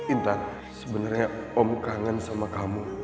intan sebenarnya om kangen sama kamu